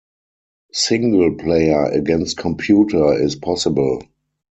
Single player against computer is possible.